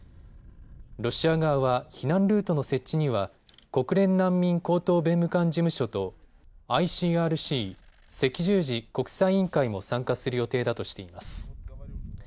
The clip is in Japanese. ロシア側は避難ルートの設置には国連難民高等弁務官事務所とＩＣＲＣ・赤十字国際委員会も参加する予定だとしています。